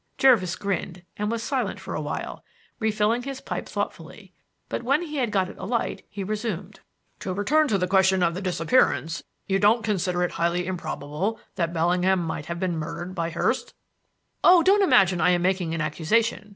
Jervis grinned and was silent for a while, refilling his pipe thoughtfully; but when he had got it alight he resumed. "To return to the question of the disappearance; you don't consider it highly improbable that Bellingham might have been murdered by Hurst?" "Oh, don't imagine I am making an accusation.